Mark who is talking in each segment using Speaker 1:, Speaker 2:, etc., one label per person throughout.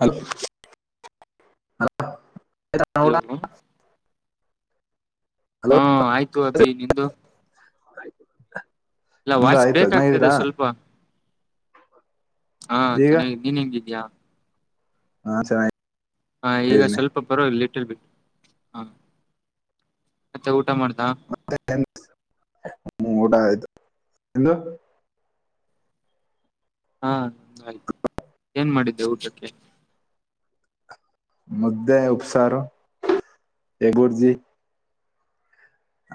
Speaker 1: Hello ಅಲ [inaudible]
Speaker 2: hello
Speaker 1: hello
Speaker 2: ಹಾ ಆಯ್ತು ಅಬ್ಬಿ ನಿಂದು ಇಲ್ಲ
Speaker 1: ಮು್ದ
Speaker 2: ವಾಯ್ಸ್
Speaker 1: ಆಯ್ತ
Speaker 2: ಬೇಕಾಗ್ತದೆ
Speaker 1: ನಿದೀರಾ [inaudible]
Speaker 2: ಸ್ವಲ್ಪ ಹಾ
Speaker 1: ಈಗ
Speaker 2: ಚೆನ್ನಾಗಿದ ನೀನ್ ಹೆಂಗಿದ್ಯಾ
Speaker 1: ಹಾ ಚೆ [inaudible]
Speaker 2: ಹಾ ಈಗ ಸ್ವಲ್ಪ ಪರವಾಗಿಲ್ಲ ಲಿಟ್ಲ್ ಬಿಟ್ಟು ಹ ಮತ್ತೆ ಮಾಡದಾ [inaudible]
Speaker 1: ಏನ್ ಊಟ ಆಯ್ತು ನಿಮ್ದು
Speaker 2: ಹಾ ಆಯ್ತು ಏನ್ ಮಾಡಿದ್ದೆ ಊಟಕ್ಕೆ
Speaker 1: ಮುದ್ದೆ ಉಪ್ಸಾರು ಎಗುರ್ಜಿ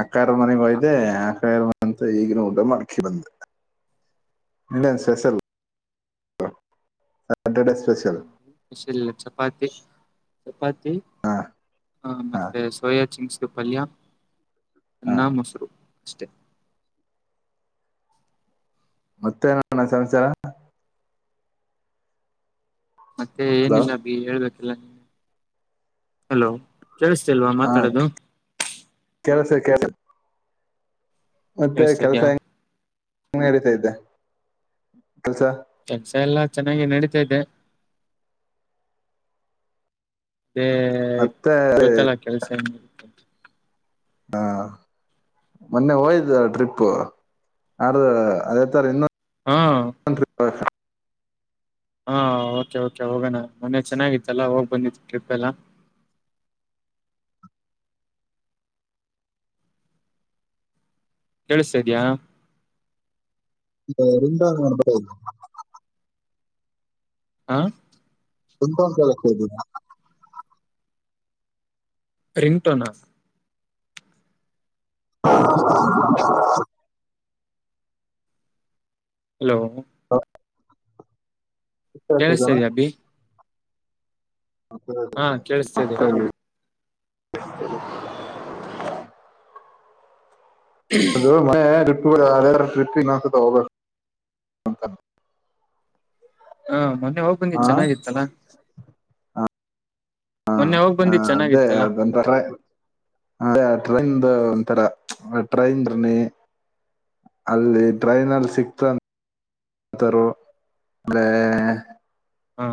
Speaker 1: ಆಕ್ಕವರ ಮನೆಗೆ
Speaker 2: ಹಾ,
Speaker 1: ಒಗಿದ ಅಕ್ಕ ಮ ಅಂತ ಈಗಿನೂ ಊಟ ಮಾಡ್ಕಿ ಬಂದೆ ನಿನ್ನನ್ ಸ್ಪೆಷಲ್ ಸಾಟರ್ಡೆ ಸ್ಪೆಷಲ್
Speaker 2: ಹ ಚಪಾತಿ ಚಪಾತಿ
Speaker 1: ಹಾ ಹಾ
Speaker 2: ಮತ್ತೆ ಸೋಯಾ ಚಿಂಗ್ಸ ಪಲ್ಯ
Speaker 1: ಹಾ
Speaker 2: ಅನ್ನ ಮೊಸರು ಅಷ್ಟೆ
Speaker 1: ಮತ್ತೆ ಏನ್ ಅಣ್ಣ ಸಮಾಚಾರ
Speaker 2: ಮತ್ತೆ
Speaker 1: ಹಲೋ
Speaker 2: ಏನಿಲ್ಲ ಅಬಿ ಹೇಳ್ಬೇಕಲ್ಲ ನೀ ಹಲೋ ಕೇಳಸ್ತಿಲ್ವಾ ಮಾತಾಡದು
Speaker 1: ಕೇಳುಸ್ತದೇ ಕೇಳುಸ್ತದೇ ಮತ್ತೆ
Speaker 2: ಕೇಳಿಸ್ತಾ
Speaker 1: ಕೆಲಸ
Speaker 2: ಇದ್ಯಾ
Speaker 1: ಹೆಂಗನಡಿತೈತೆ
Speaker 2: ಕೆಲಸ ಎಲ್ಲಾ ಚೆನ್ನಾಗಿ ನಡೀತಾದೆ ಅದೇ
Speaker 1: ಮತ್ತೆ
Speaker 2: ಗೊತ್ತಲ್ಲ ಕೆಲ್ಸ
Speaker 1: ಹಾ ಮೊನ್ನೆ ಹೋಯ್ದ ಟ್ರಿಪ್ ಅ ಅದೇ ತರ ಇನ್ನೊ
Speaker 2: ಹಾ ಹಾ ಓಕೆ ಓಕೆ ಹೋಗೋಣ ಮೊನ್ನೆ ಚೆನ್ನಾಗಿತ್ತಲ್ಲ ಹೋಗ್ ಬಂದಿತ್ತು ಟ್ರಿಪ್ ಎಲ್ಲ ಕೇಳುಸ್ತಾ ಇದಿಯಾ
Speaker 1: ಬೇರೆಂದಾ ನ
Speaker 2: ಆ
Speaker 1: ತುಪ ಒ್ದರಾ
Speaker 2: ರಿಂಗ್ ಟೊನಾ ಹಲೋ
Speaker 1: ಅಷ್ಟೇ
Speaker 2: ಕೇಳಿಸ್ತ
Speaker 1: ಸಿಗೋಣ
Speaker 2: ಇದೆಯಾ ಅಬ್ಬಿ
Speaker 1: ಹತ್ತ
Speaker 2: ಕೇಳಿಸ್ತಾ ಇದೆ
Speaker 1: ಮತ್ತ
Speaker 2: ಇವಾಗ.
Speaker 1: ಅದು ಅದೇ ಟ್ರಿಪ್ ಇನ್ನೊಂದು ಸತ್ತ
Speaker 2: ಹಾ ಮೊನ್ನೆ ಹೋಗ್ಬಂದಿ ಚೆನ್ನಾಗಿತ್ತಲ್ಲಾ
Speaker 1: ಹ
Speaker 2: ಮೊನ್ನೆ ಹೋಗ್ ಬಂದಿದ್
Speaker 1: ಅದೇ
Speaker 2: ಚೆನ್ನಾಗಿತ್ತಲ್ಲಾ
Speaker 1: ಅ ಅದೇ ಟ್ರೈನ್ದು ತರ ಟ್ರೈನ್್ರನ ಅಲ್ಲಿ ಟ್ರೈನ್ ಅಲ್ಲಿ ಸಿಕ್ತ ತಾರ ಅ
Speaker 2: ಹಾ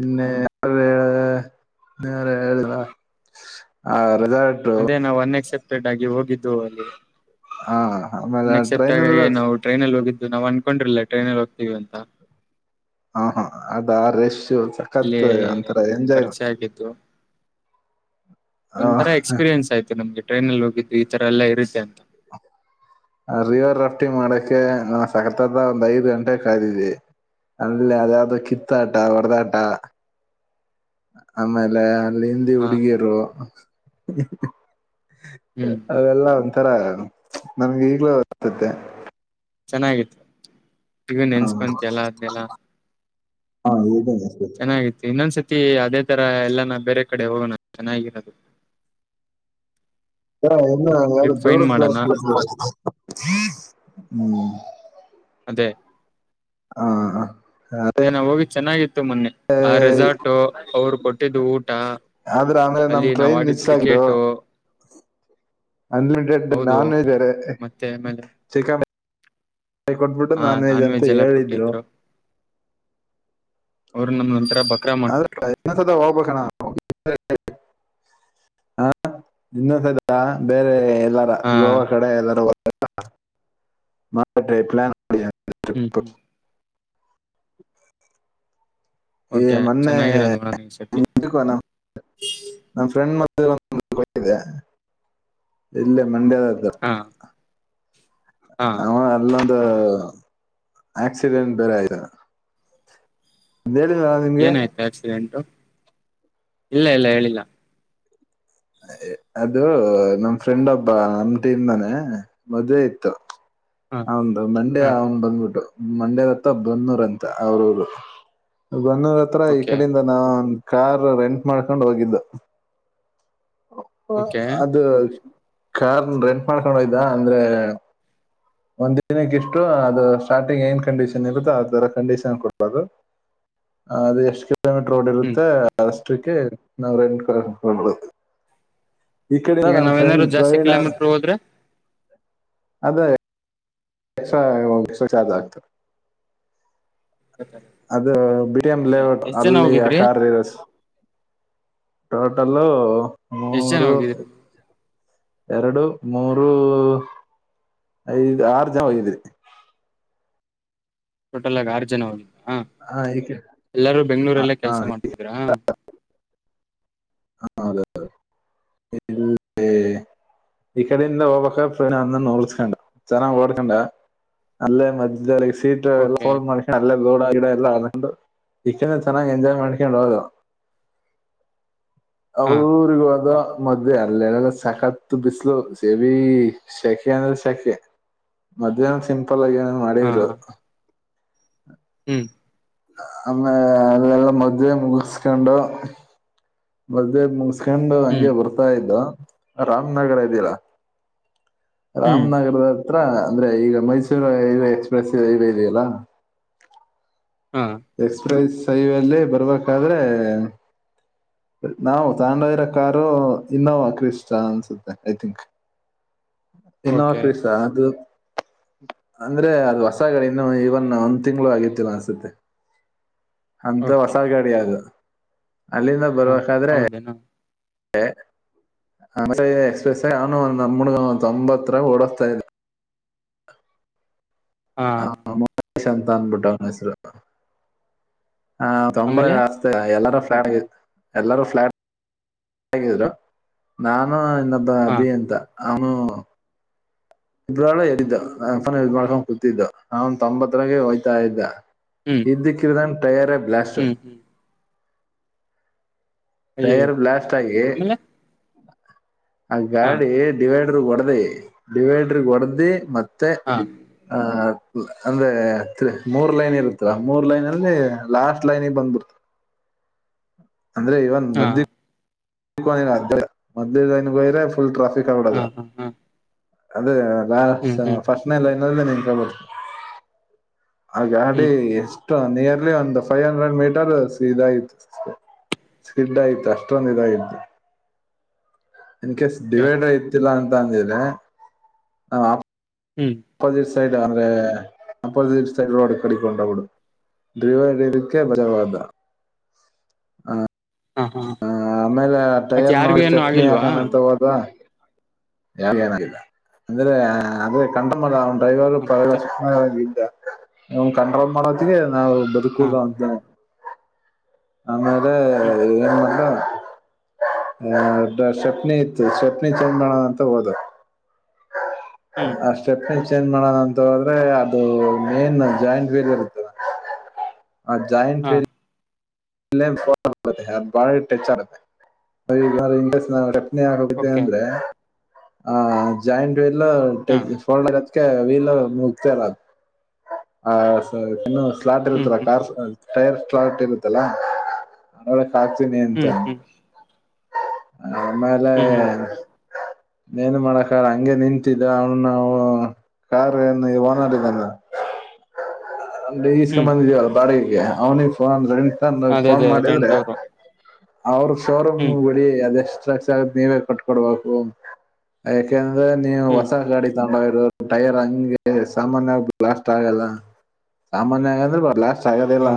Speaker 1: ಇನ್ನೆಳರೆ ಳುದ ಆ ರೆಸಾರ್ಟ್
Speaker 2: ಅದೇ ನಾವು ಅನ್ಎಕ್ಸೆಪ್ಟೆಡ್ ಆಗಿ ಹೋಗಿದ್ದು ಅಲ್ಲಿ
Speaker 1: ಹಾ ಆಮೇಲೆ ಟ್ರೈನ್
Speaker 2: ನೆಕ್ಸೆಪ್ಟಗ
Speaker 1: ಅಲ್ಲ
Speaker 2: ನಾವು ಟ್ರೈನ್ಲ್ಲಿ ಹೋಗಿದ್ದ್ವಿ ಇದು ನಾವ್ ಅನ್ಕೊಂಡುರ್ಲಿಲ್ಲ ಟ್ರೈನಲ್ಲಿ ಹೋಗ್ತೀವಿ ಅಂತ
Speaker 1: ಹಾ ಹಾ ಅದಾ ರಶ
Speaker 2: ಇಲ್ಲಿ
Speaker 1: ಸಕತ್ ಅಂತರ ಎಂಜಾಯ್
Speaker 2: ಪರಿಚಯ ಆಗಿದ್ದು ಒಂಥರ ಎಕ್ಸ್ಪೀರಿಯೆನ್ಸ್ ಆಯ್ತು ನಮ್ಗೆ ಟ್ರೈನಲ್ಲಿ ಹೋಗಿದ್ದ್ವಿ ಈ ತರ ಎಲ್ಲಾ ಇರುತ್ತೆ ಅಂತ
Speaker 1: ಆ ರಿವರ್ ರಾಫ್ಟಿಂಗ್ ಮಾಡಕ್ಕೆ ನಾ ಸಕತದ ಒಂದ್ ಐದು ಗಂಟೆ ಕಾಯ್ದಿದ್ದಿ ಅಲ್ಲ ಅದಾವ್ದದು ಕಿತ್ತಾಟ ಹೊಡದಾಟ ಆಮೇಲೆ ಅಲ್ಲಿ ಹಿಂದಿ
Speaker 2: ಹಾ
Speaker 1: ಹುಡುಗೀರು
Speaker 2: ಹ್ಮ್
Speaker 1: ಅವೆಲ್ಲ ಒಂಥರ ನಮ್ಗೆ ಈಗ್ಲೂ ಒದತದೆ
Speaker 2: ಚೆನ್ನಾಗಿತ್ತು ಈಗ
Speaker 1: ಹಾ
Speaker 2: ನೆನ್ಸ್ಕೊಂತಯಲ್ಲ ಆದನೆಲ್ಲ
Speaker 1: ಹಾ ದ
Speaker 2: ಚೆನ್ನಾಗಿತ್ತು ಇನ್ನೊಂದ್ಸತಿ ತಿ ಅದೇ ತರ ಎಲ್ಲಾನ ಬೇರೆ ಕಡೆ ಹೋಗೋಣ ಚೆನ್ನಾಗಿರೋದು
Speaker 1: ಹ ಇನ್ನ ಯಾರು
Speaker 2: ಟ್ರಿಪ್ ಫೈಂಡ್
Speaker 1: ದಡದ
Speaker 2: ಮಾಡೋಣ
Speaker 1: ಹ್ಮ್
Speaker 2: ಅದೇ
Speaker 1: ಹ ಹ
Speaker 2: ಇದ ನಾ ಹೋಗಿ ಚೆನ್ನಾಗಿತ್ತು ಮೊನ್ನೆ ಆ ರೆಸಾರ್ಟು ಅವ್ರು ಕೊಟ್ಟಿದ್ದು ಊಟ
Speaker 1: ಆದ್ರೆ ಆಮೇಲೆ ನಮ್
Speaker 2: ಅಲ್ಲಿ ನಾವ್
Speaker 1: ಟ್ರೈನ್ ಮಿಸ್
Speaker 2: ಆಡಿದ್
Speaker 1: ಆಗಿದ್ದು
Speaker 2: ಕ್ರಿಕೆಟು
Speaker 1: ಅನ್ಲಿಮಿಟೆಡ್
Speaker 2: ಹೌದು
Speaker 1: ನಾನ್‌ವೆಜ್‌ ಬೇರೆ
Speaker 2: ಮತ್ತೆ ಆಮೇಲೆ
Speaker 1: ಚಿಕನ್ ಕೊಟ್ಬಿಟ್ಟು
Speaker 2: ಹಾ ನಾನ್
Speaker 1: ಅಂತ
Speaker 2: ವೆಜ್ ಎಲ್ಲ
Speaker 1: ಹೇಳಿದ್ರು
Speaker 2: ಕೊಟ್ಟಿದ್ರು ಅವರು ನಮ್ದೊ
Speaker 1: ಅದನಸದ ಒಬಣ ಹ ಇನ್ನೊಸದ ಬೇರೆ ಾರ
Speaker 2: ಹಾ
Speaker 1: ಗೋವಾ ಕಡೆ ಎ್ದಾರ ಟ್ರ ಪ್ಲಾನ್
Speaker 2: ಹ್ಮ್ ಹ್ಮ್
Speaker 1: ಏ
Speaker 2: ಓಕೆ
Speaker 1: ಮೊನ್ನೆ
Speaker 2: ಚೆನ್ನಾಗಿರೋದು ನೋಡೋಣ ಈ ಸತಿ
Speaker 1: ನಮ್ಮ್ ಫ್ರೆಂಡ್ ಮ ಇಲ್ಲ ಮ
Speaker 2: ಹಾ ಹಾ
Speaker 1: ಅವ ಎಲ್ಲ ಆಕ್ಸಿಡೆಂಟ್ ಬೇರೆ ಆಯತಾರ
Speaker 2: ಏನಾಯ್ತು ಆಕ್ಸಿಡೆಂಟು ಇಲ್ಲ ಇಲ್ಲ ಹೇಳಿಲ್ಲ
Speaker 1: ಅದು ನಮ್ ಫ್ರೆಂಡ್ ಒಬ್ಬ ನಮ ಟೀಮ್ ಮನೆ ಮದ್ೆ ಇತ್ತು
Speaker 2: ಹಾ
Speaker 1: ಹಂದು ಮಂಡ್ಯ
Speaker 2: ಹಾ
Speaker 1: ಅವನ್ ಬಂದ್ಬಿಟ್ಟು ಮಂಡ್ಯದ ಹತ್ತ ಬನ್ನೂರ್ ಅಂತ ಅವ್ರರು ಬನ್ನೂರ್ ಹತ್ರ ಈ
Speaker 2: ಓಕೆ
Speaker 1: ಕಡಿಂದ ನಾವು ಕಾರ್ ರೆಂಟ್ ಮಾಡ್ಕೊಂಡು ಹೋಗಿದ್ದು
Speaker 2: ಓಕೆ
Speaker 1: ಅದು ಕಾರ್ ರೆಂಟ್ ಮಾಡ್ಕೊಂಡು ಹೋಯ್ದ ಅಂದ್ರೆ ಒಂದ್ ದಿನಕ್ಕೆ ಇಷ್ಟು ಅದು ಸ್ಟಾರ್ಟಿಂಗ್ ಏನ್ ಕಂಡೀಷನ್ ಇರುತ್ತೋ ಅದ ತರ ಕಂಡೀಷನ್ ಕೊಡ್ಬೋದು ಹ ಅದ ಎಷ್ಟು ಕಿಲೋಮೀಟರ್ ರೋಡ್
Speaker 2: ಹ್ಮ್
Speaker 1: ಇರುತ್ತೆ ಅಷ್ಟಕ್ಕೆ ನಾವ ರದು ಈ ಕಡೆ
Speaker 2: ಈಗ
Speaker 1: ನಮ್ಮ ಫ್ರೆಂಡ್
Speaker 2: ನಾವೇನಾದ್ರು ಜಾಸ್ತಿ
Speaker 1: ಪ್ರವೀಣ
Speaker 2: ಕಿಲೋಮೀಟರ್ ಹೋದ್ರೆ
Speaker 1: ಅದೇ ಎಕ್ಸ್ಟ್ರಾ ಎಕ್ಸ್ಟ್ರಾ ಚಾರ್ಜ್ ಆಗ್ತದೆ. ಅದು
Speaker 2: ಹ
Speaker 1: ಬಿಡಿ ಏಮ್ಮ್
Speaker 2: ಓಕೆ
Speaker 1: ಲೇಔಟ್
Speaker 2: ಎಷ್ಟ್ ಜನ
Speaker 1: ಅಲ್ಲಿ ಆ
Speaker 2: ಹೋಗಿದ್ರಿ
Speaker 1: ಕಾರಾರ್ ಇರ ಟೋಟಲ್ಲ
Speaker 2: ಎಷ್ಟ್ ಜನ ಹೋಗಿದ್ದೀರಿ
Speaker 1: ಎರಡು ಮೂರು ಐದು್ ಆರು ಜನ ಹೋಗಿದರಿ
Speaker 2: ಟೋಟಲ್ ಆಗ ಆರು ಜನ ಹೋಗ ಹಾ
Speaker 1: ಹ ಈ ಕಡೆ
Speaker 2: ಎಲ್ಲಾರೂ ಬೆಂಗಗಳೂರಲ್ಲೇ ಕೆಲ್ಸ ಮಾಡ್ತಿದ್ರಾ
Speaker 1: ಹ ಈ ಕಡೆಿಂದ ಓಬ ಅಂದ ನೋಡ್ತಕೊಂಡರ ಓಡ್ಕೊಂಡ ಅಲ್ಲೇ ಮದ ಸೀಟ್ ಎಲ್ಲ
Speaker 2: ಓಕೆ
Speaker 1: ಫೋನ್ ಮಾಡ್ ಅಲ್ಲೇ ದೋಡ ಗಿಡ ಎಲ್ಲ ಇ ಚೆನ್ನ ಎಂಜಾಯಯ್ ಮಾಡಿಕೊಂಡ ಹದ
Speaker 2: ಹಾ
Speaker 1: ಅವ್ರ ಊರಿಗೆ ಹದ ಮದೆ ಅಲ್ಲೆಲ್ಲಲ್ಲ ಸಕತ್ ಬಿಸ್ಲು ಸೇಬಿ ಸೆಖೆ ಅಂದ್ರೆ ಸೆಕೆ ಮಧ್ಯಾಹ್ನ ಸಿಂಪಲ್ ಆಗಿ ಏನ್
Speaker 2: ಹಾ
Speaker 1: ಮಾಡಿದ್ರು
Speaker 2: ಹ್ಮ್
Speaker 1: ಆಮ್ಮೇ ಎಲ್ಲೆಲ್ಲ ಮದುವೆ ಮುಗಿಸಿಕೊಂಡು ಮದೆ ಮು ಉಸ್ಕಂಡು
Speaker 2: ಹ್ಮ್
Speaker 1: ಹಂಗೆ ಬರ್ತಾ ಇದ್ದು ರಾಮ್ನಗರ ಇದ್ದೀರಾ
Speaker 2: ಹ್ಮ್
Speaker 1: ರಾಮನಗರದ ಹತ್ರ ಅಂದ್ರೆ ಈಗ ಮೈಸೂರು ಇ ಎಕ್ಸ್ಪ್ರೆಸ್ ಇವೆ ಇದೆಯಲ್ಲ
Speaker 2: ಹಾ
Speaker 1: ಎಕ್ಸ್ಪ್ರೆಸ್ ಹೈವಲ್ಲಿ ಬರ್ಬೇಕಾದ್ರೆ ನಾವು ತಾಂಡಯರ ಕಾರು ಇನ್ನೋವಾ ಕ್ರಷ್ಟ ಅನ್ಸುತ್ತೆ ಐ ತಿಂಕ್
Speaker 2: ಓಕೆ
Speaker 1: ಇನ್ನಶ್ರೀಸ ಅದು ಅಂದ್ರೆ ಅದು ಹೊಸಗಡೆ ಇನ್ನು ಇವನ್ ಒಂದ್ ತಿಂಗಳು ಆಗಿತಿಿಲ್ಲ ಅನ್ಸುತ್ತೆ ಅಂತ
Speaker 2: ಓಕೆ
Speaker 1: ಹೊಸ ಗಾಡಿ ಅದು ಅಲ್ಲಿಂದ
Speaker 2: ಹಾ
Speaker 1: ಬರ್ಬೇಕಾದ್ರೆ
Speaker 2: ಹೌದೇನಾ
Speaker 1: ಹ ಅ ಎಕ್ಸ್ಪ್ರೆಸ್ ಅವಾನು ಒಂದ್ ನಮ್ಮಡ್ಗ ಒ ತೊಂಬತ್ತರ ಓಡಸ್ತಾ ಇದೆ
Speaker 2: ಹಾ
Speaker 1: ಹ ಶಂತಾನ ಭುಟಾನಸರ ಹ ತಂಬ
Speaker 2: ಆಮೇಲೆ
Speaker 1: ಎಲ್ಲಾರ ಫ್ಾಟ್ ಎಲ್ಲಾರೂ ಫ್ಲಾಟ್ ಗಿದ್ರು ನಾನು ಇನ್ನೊಬ್ಬ
Speaker 2: ಹಾ
Speaker 1: ಅಬಿ ಅಂತ ಅವನು ಇಬ್್ರಳ ಎಿದ್ದು ಇ ಮಾಡ್ಕೊಂಡ್ ಕೂತಿದ್ದು ನ ಒಂದ ತೊಂಬತ್ತರಗೆ ಹಯ್ತಾ ಇದ್ದ
Speaker 2: ಹ್ಮ್
Speaker 1: ಹಕ್ಕರುದಾನ ಟಯರ ಪ್ಲಾಸ್ರ್
Speaker 2: ಹ್ಮ್ ಹ್ಮ್ ಅಯ್ಯಯ್ಯೋ
Speaker 1: ತಯರ್ ಬ್ಲಾಸ್ಟ್ ಆಗಿ
Speaker 2: ಆಮೇಲೆ
Speaker 1: ಆ
Speaker 2: ಹಾ
Speaker 1: ಗಾಡಿ ಡಿವೈಡರ್ ಹೊಡ್ದಿ ಡಿವೈಡರ್ ಹೊಡ್ದಿ ಮತ್ ತ್ತ
Speaker 2: ಹಾ
Speaker 1: ಆ ಅಂದ್ರೆ ತ್ ಮೂರ್ ಲೈನ್ ಇರುತ್ತಾ ಮೂರ್ ಲೈನ್ ಅಲ್ಲಿ ಲಾಸ್ಟ್ ಲೈನ್ಗೆ ಬಂದ್ಬಿಡ್ತ ಅಂದ್ರೆ ಇವನ್
Speaker 2: ಹಾ
Speaker 1: ಮದ ಮೆ ಗರ ಫುಲ್ [unintelligible] ಫ
Speaker 2: ಹಾ ಹಾ ಹಾ
Speaker 1: ಅದೇ
Speaker 2: ಹ್ಮ್ ಹ್ಮ್
Speaker 1: ಫಸ್ಟ್ನಲ್ಲ ಇನ ನೀನ್ ಕಳ್ಬಿ ಆ ಗಾಡಿ
Speaker 2: ಹ್ಮ್
Speaker 1: ಎಷ್ಟು ನಿಯರ್ಲಿ ಒಂದು ಫೈವ್ ಹಂಡ್ರೆಡ್ ಮೀಟರ್ ಇದಾಗಿತ ಸ್ಪಿಡ್ ಆಯತು ಅಷ್ಟೊಂದು ಇದಾಗಿದ್ದು ಇನ್ ಕೇಸ್
Speaker 2: ಓಕೆ
Speaker 1: ಡಿವೈಡ್ ಆ ಇತಿಲ್ಲ ಅಂತ ಅಂದೆ ನ್
Speaker 2: ಹ್ಮ್
Speaker 1: ಸೈಡ್ ಅಂದ್ರೆ ಅಂಪ ದೀ ಸೈಡ್ ರೋಡ್ ಕಡಿಕೊಂಡ ಬಿಡು [unintelligible] ವ ಇದಕ್ಕೆ ಬಜವಾದ ಹ
Speaker 2: ಹ್ಮ ಹಾ
Speaker 1: ಆಮೇಲೆ
Speaker 2: ಮತ್ತೆ
Speaker 1: ಟೈರ್
Speaker 2: ಯಾರಿಗೂ
Speaker 1: ನೋಡಿ
Speaker 2: ಏನು
Speaker 1: ಸೆಟ್ನಿ
Speaker 2: ಆಗಿಲ್ವಾ
Speaker 1: ಹಾಕಣ ಅಂತ ಹೋದುವ ಯ ಏನಲ್ಲ ಅಂದ್ರೆ ಆದ್ರೆ ಕಂಡಮ್ಮ ಅವನ ಡ್ರೈವರು
Speaker 2: ಹ ಮತ್ತೆ
Speaker 1: ಸು ನ್ ಕಂಡ್ರೋಲ್ ಮಾಡೋದಿಗೆ ನಾವು
Speaker 2: ಹಾ
Speaker 1: ಬದುಕದ ಅಂತ ಅಂಗಲೆ
Speaker 2: ಹ್ಮ್
Speaker 1: ಏನು ಮ ಆಡ ಸ್ವಪ್ನಿ ಇತ್ ಸ್ವಪ್ನಿ ಚಮಣ ಅಂತ [unintelligible] ದು
Speaker 2: ಹ್ಮ್
Speaker 1: ಆ ಸ್ಟೆಪ್ಮೆಂಟ್ ಚೇಂಜ್ ಮಾಡೋಣ ಅಂತ ಹೇಳದ್ರೆ ಅದು ಮೇನ್ ಜಾಯಿಂಟ್ ವೇಲ್ ಇರುತ್ತೆ ಆ ಜಾಯಂಟ್
Speaker 2: ಹಾ
Speaker 1: ಳ ಟಚ್ ಆಗುತ್ತೆ್ [unintelligible] [unintelligible] ಗುತ್ತೆ
Speaker 2: ಓಕೆ
Speaker 1: ಅಂದ್ರೆ ಆ ಜಾಯಿಂಟ್ ಎಲ್ಲ
Speaker 2: ಹಾ
Speaker 1: ಫೋಲ್ಡ್ ಆಗ ವೀಲರ್ ಮುಗ್ತರ ಅ ಆ ಇನ್ನು ಸ್ಲಾಟ್
Speaker 2: ಹ್ಮ್
Speaker 1: ಇರ್ತ್ತರ
Speaker 2: ಹ್ಮ್
Speaker 1: ಕಾರ್ ಟೈರ್ ಸ್ಟಾರ್ಟ್ ಇರುತ್ತಲ್ಲಾ ನ ನೋಡಕ್ ಆಕ್ತೀನಿ ಅಂತ
Speaker 2: ಹ್ಮ್ ಹ್ಮ್
Speaker 1: ಆ ಮಲೆ
Speaker 2: ಹ್ಮ್ ಹ್ಮ್
Speaker 1: ನೀನ್ ಮಾಡಕಾರ ಹಂಗೆ ನಿಂತಿದ್ದ ಅವನು ನಾವು ಕಾರ್ [unintelligible] ಅಂದೆ ಈಸ್ [unintelligible]
Speaker 2: ಹ್ಮ್
Speaker 1: ಬಂದ ಇದವಲ್ಲ ಬಾಡಿಗೆ ಅವ್ನಿಗೆ ಫೋನ್ ಅ್ರ ಸ ನ
Speaker 2: ಅದೇ
Speaker 1: ಫೋನ್
Speaker 2: ಅದೇ
Speaker 1: ಮಾಡಿದ್ರೆ
Speaker 2: ರೆಂಟ್ ಅವರು
Speaker 1: ಅವ್ರ ಶೋರೂಮ್
Speaker 2: ಹ್ಮ್
Speaker 1: ಬಿಳಿ ಅದೆ ಎಷ್ಟ್ರಾ ನೀವೇ ಕಟ್ಕೊಡ್ಬೇಕು ಯಾಕೆಂದ್ರ ಅದೇ ನೀವು
Speaker 2: ಹ್ಮ್
Speaker 1: ಹೊಸ ಗಾಡಿ ತಂಬರೋ ಟೈರ್ ಹಂಗೆ ಸಾಮಾನ್ಯವಾಗಿ ಬ್ಲಾಸ್ಟ್ ಆಗಲ್ಲ ಸಾಮಾನ್ಯ ಆಗಂದ್ರೆ ಬಾ ಲಾಸ್ಟ್
Speaker 2: ಹ
Speaker 1: ಆಗದಿಲ್ಲ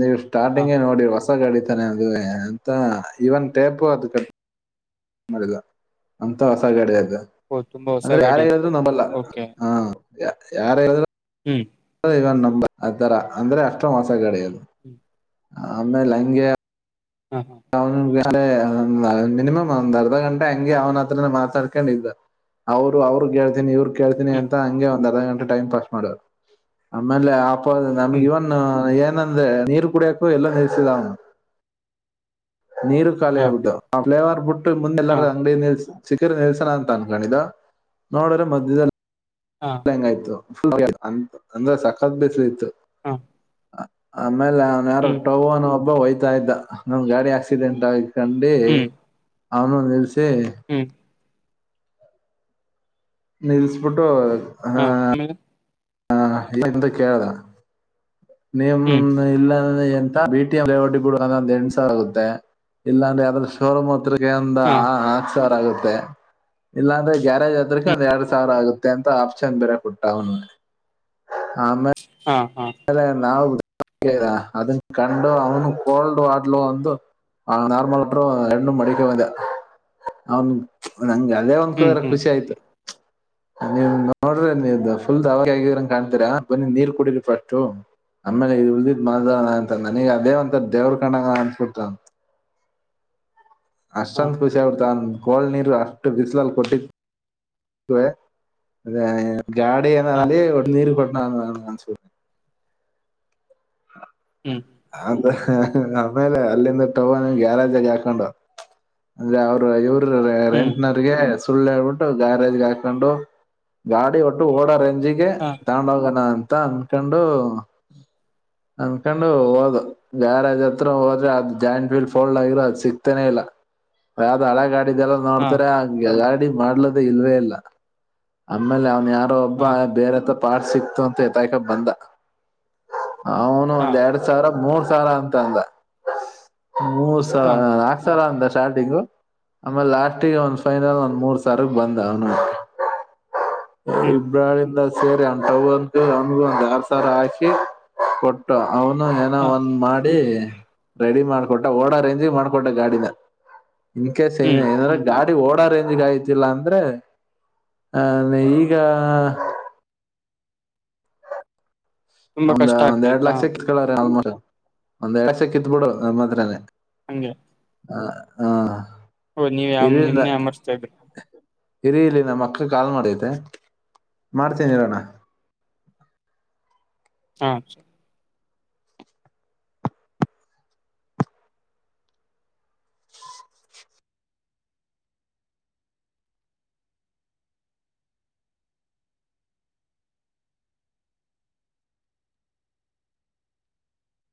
Speaker 1: ನೀವು
Speaker 2: ಹಾ
Speaker 1: ಸ್ಟಾರ್ಟಿಂಗೇ ನೋಡಿ ಹೊ ಹೊಸಡಿತಾನೆ ಅದ ಅಂತ ಇವನ್ ಟೇಪು ಅದ ಕಟ್ಟ ಗ ಅಂತ ಹೊಸ ಗಾಡಿ ಅದ
Speaker 2: ಓ ತುಂಬಾ ಹೊಸ
Speaker 1: ಅಂದ್ರೆ ಯಾರ
Speaker 2: ಗಾಡಿ ಅದು
Speaker 1: ಹೇಳಿದ್ರು ನಂಬಲ್ಲ
Speaker 2: ಓಕೆ
Speaker 1: ಹಾ ಯಾರ ಹೇಳಿದ್ರು
Speaker 2: ಹ್ಮ್
Speaker 1: ನ ಆ ತರ ಅಂದ್ರೆ ಅಷ್ಟೋ ಹೊಸಗಡೆ
Speaker 2: ಹ್ಮ್
Speaker 1: ಹೆ ಲಂಗೆ
Speaker 2: ಹಾ ಹಾ
Speaker 1: ಹ ಅದೇ ಮಿನಿಮಮ್ ಒಂದ್ ಅರ್ಧ ಗಂಟೆ ಹಂಗೆ ಅವನ ಹತ್ರನ ಮಾತಾಡ್ಕೊಂಡಿದ್ದ್ ಅವರು ಅವ್ರಗ್ ಹೇಳ್ತೇನಿ ಇವ್ರ ಕೇಳ್ತೀನಿ
Speaker 2: ಹ್ಮ್
Speaker 1: ಅಂತ ಹಂಗೆ ಒಂದ ಅರ್ಧ ಗಂಟೆ ಟೈಮ್ ಪಾಸ್ ಮಾಡರು ಆಮೇಲೆ ಆ ಹೌದ ನಮ್ಗೆ
Speaker 2: ಹ್ಮ್
Speaker 1: ಇವನ್ ಏನಂದ್ರೆ ನೀರು ಕುಡಿಯಕು ಎಲ್ಲ ನಿಸಿದ ಅವನ್ ನೀರು ಖಾಲಿ
Speaker 2: ಹಾ
Speaker 1: ಆಗ್ಬಿಟ್ಟು ಆ ಫ್ಲೇವರ್ ಬಿಟ್ಟು ಮುಂದೆ
Speaker 2: ಹಾ
Speaker 1: ಎಲ್ಲಾರ ಅಂಗಡಿ ನಿಲ್ಸು ಸಿಖರ್ ನಿಲ್ಸನ ಅಂತ ಅನ್ಕೊಂಡಿದ ನೋಡ್ರೆ ಮಧ್ಯದಲ್ಲಿ
Speaker 2: ಹಾ
Speaker 1: ಹೆಂಗಯ್ತು ಅ ಅಂದ್ರೆ ಸಕತ್ ಬೇಸಲು ಇತ್ತು
Speaker 2: ಹಾ
Speaker 1: ಆಮೇಲೆ ಅವನ್
Speaker 2: ಹ್ಮ್
Speaker 1: ಯಾರಟ್ಟೋಗ ಅನೋ ಒಬ್ಬ ಹೊಯ್ತಾ ಇದ್ದ ನಮ ಗಾಡಿ ಆಕ್ಸಿಡೆಂಟ್ ಆಯತು ಕಂಡ
Speaker 2: ಹ್ಮ್
Speaker 1: ಅವನ ನಿಲ್ಸ
Speaker 2: ಹ್ಮ್
Speaker 1: ನಿಲ್ಸ್ಬಿಟ್ಟು
Speaker 2: ಹಾ ಆಮೇಲೆ
Speaker 1: ಹ ಏಂತ ಕೇಳ್ದ
Speaker 2: ಹ್ಮ್
Speaker 1: ನೀಮ ಇಲ್ಲ ಬಿಟಿಎಂ ಲೇಔಟ್ ಬಿಡು ಅಲ್ಲಿ ಒಂದು ಹೆಂಟು ಸಾವರ ಆಗುತ್ತೆ ಇಲ್ಲಂದ್ರೆ ಅದ್ರ ಶೋರೂಮ್ ಹತ್ರ ಇಲ್ಲ ಅಂದ್ರೆ ಒಂದು
Speaker 2: ಹಾ
Speaker 1: ನಾಲ್ಕುಸಾವಿರ ಆಗುತ್ತೆ ಇಲ್ಲಾಂದ್ರೆ ಗ್ಯಾರೇಜ್ ಅದ್ರಕ
Speaker 2: ಹ್ಮ್
Speaker 1: ಒಂದ್ ಎರಡ್ ಸಾವಿರ ಆಗುತ್ತೆ ಅಂತ ಆಪ್ಷನ್ ಬೇರೆ ಕೊಟ್ಟ ಅವನು ಆಮ
Speaker 2: ಹಾ ಹಾ
Speaker 1: ಮ ನಾವು ಅದನ್ನ ಕಂಡು ಅವನು ಕೋಲ್ಡ್ ವಡ್ಲು ಒಂದು ಹ ನಾರ್ಮಲ್ ಅಟ ರ್ಣ ಮಡಿಕಂದ ಅವನ್ ನಂ ಅದ ಒಂದ್
Speaker 2: ಹ್ಮ್
Speaker 1: ಕೋರ
Speaker 2: ಹ್ಮ್
Speaker 1: ಖುಷಿ ಆಯ್ತು ನೀವ ನೋಡ್ರಿ ನೀ ಫುಲ್ ಅವಾಗ ಆಗಿದನ್ ಕಾಣ್ತೀರಾ ಬನ್ನಿ ನೀರ್ ಕುಡ ಹ [unintelligible] ಆಮೇಲೆ ಈ ಉತ್ ಮಾ ಅಂತ ನನಗ ಅದೇ ಒಂತ ದೇವ್ರ ಕಣ್ಣ ಅನ್ಸ್ಬಿಟ
Speaker 2: ಹಾ
Speaker 1: ಅಷ್ಟಂದು ಖುಷಿ ಆಗ್ಬಿಡ್ತನ್ ಕೋಳ ನೀರು ಅಷ್ಟು ಬಿಸಿಲಲ್ ಕೊಟ್ಟಿದ್ದ [unintelligible] ಹಾ ಹ
Speaker 2: ಹಾ
Speaker 1: ನನ್ ಸನೆ
Speaker 2: ಹ್ಮ್
Speaker 1: ಅ ಆಮೇಲೆ ಅಲ್ಲಿಂದ ಟೊಬ ಗ್ಯಾರಜಗ ಹಾಕೊಂಡು ಅಂದ್ರೆ ಅವರು ಇವ್ರ
Speaker 2: ಹ್ಮ್
Speaker 1: ರೆಂಟನಿಗೆ ಸುಳ್ಳು ಹಳ್ಬಿಟ್ಟು ಗಾರೇಜ್ಗೆ ಹಾಕೊಂಡು ಗಾಡಿ ಒಟ್ಟು ಓಡ ರೇ
Speaker 2: ಹಾ
Speaker 1: ತಗೊಂಡು ಹೋಗೋಣ ಅಂತ ಅನ್ಕೊಂಡು ಅನ್ಕೊಂಡು ಹೋದ ಯಾರಾಜ್ ಹತ್ರ ಹೋದ್ರೆ ಅದು ಜಾಯಿಂಟ್ಫೀಲ್ ಫೋಲ್ಡ್ ಆಗ್ರೆ ಅದ್ ಸಿಕ್ತೇನೆೇ ಇಲ್ಲ ಯಾವದು ಹಳ ಗಡಿ ಇದೆಲ್ಲ
Speaker 2: ಹಾ
Speaker 1: ನೋಡ್ತಾರೆ ಗಾಡಿ ಮಾಡಲಂತು ಇಲ್ವೇ ಇಲ್ಲ ಆಮೇಲೆ ಅವ್ನ್ ಯ ಒಬ್ಬ
Speaker 2: ಹಾ
Speaker 1: ಬೇರೆತ್ರ ಪಾಸ್ ಸಿಕ್ತು ಅಂತ ಎತಕೊಂಡು ಬಂದ ಅವನು
Speaker 2: ಹಾ
Speaker 1: ಎರಡ್ ಸಾವಿರ ಮೂರ್ ಸಾವಿರ ಅಂತ ಅಂದ ಮೂರ್
Speaker 2: ಹಾ
Speaker 1: ಸಾವಿ ನಾಲ್ಕು ಸಾವಿರ ಅಂದಷ್ಟ ಸ್ಟಾರ್ಟಿಂಗು ಆಮೇಲೆ ಲಾಸ್ಟಗ ಒಂದ್ ಫೈನಲ್ ಒಂದ್ ಮೂರ್ ಸಾರಗ್ ಬಂದ ಅವನು
Speaker 2: ಹ್ಮ್ ಹ್ಮ್
Speaker 1: ಇಬ್ರಾಳಿಂದ ಸೇರಿ [unintelligible] ಅವಮಗ ಒಂದು ಆರು ಸಾರ ಹಾಕಿ ಕೊಟ್ಟ ಅವನು ಏನೋ
Speaker 2: ಹಾ
Speaker 1: ಒಂದ ಮಾಡಿ ರೆಡಿ ಮಾಡ್ಕೊಟ್ಟ ಓಡಾ ರೇಂಜ ಮಾಡ್ಕೊಟ್ಟ ಗಾಡಿನ ಇನ್ ಕೇಸ್
Speaker 2: ಹ್ಮ್
Speaker 1: ಏನಏಂದ್ರೆ
Speaker 2: ಹ್ಮ್
Speaker 1: ಗಾಡಿ ಓಡ ರೇಂಜ್ ಗಯ್ತಿಲ್ಲ ಅಂದ್ರೆ ಆ ಈಗ
Speaker 2: ತುಂಬಾ
Speaker 1: ಒಂದ್
Speaker 2: ಕಷ್ಟ
Speaker 1: ಒಂದ್ ಎರಡ್
Speaker 2: ಆಗ್ತಾಯ್ತಾ
Speaker 1: ಲಕ್ಷ ಕಿತ್ಕಳ್ರ ಆಲ್ಮೋಸ್ಟ್ ಒಂದ್ ಎರಡ್ ಲಕ್ಷ ಕಿತ್ಬಿಡು ನಮ್ಮ ಮಾತ್ರನನೆ
Speaker 2: ಹಗೆೆ
Speaker 1: ಹ ಹಾ
Speaker 2: ಓ ನೀವ ಯ ನಿಮ್ನೆ ಯಮರ್ಸ್ತಾ ಇದ್ರರು
Speaker 1: ಇರಿ ಇಲ್ಲಿ ನಮ್ ಅಕ್ಕ ಕಾಲ್ ಮಾಡೈತೇ ಮಾಡ್ತೀನಿ ಈರಣ್ಣ
Speaker 2: ಹ